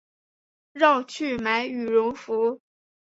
绕去买羽绒衣